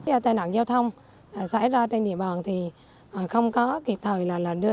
cái tai nạn giao thông xảy ra trên địa bàn thì không có kịp thời là đưa